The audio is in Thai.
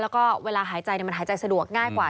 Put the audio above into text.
แล้วก็เวลาหายใจมันหายใจสะดวกง่ายกว่า